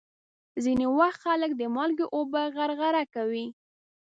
ځینې وخت خلک د مالګې اوبه غرغره کوي.